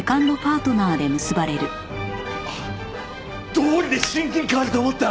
どうりで親近感あると思った！